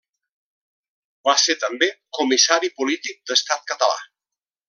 Va ser també comissari polític d'Estat Català.